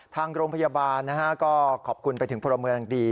ทางโรงพยาบาลนะฮะก็ขอบคุณไปถึงพลเมืองดี